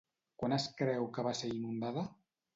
Quan es creu que va ser inundada?